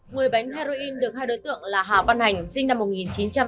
my bánh heroin được hai đối tượng là hà văn hành sinh năm một nghìn chín trăm tám mươi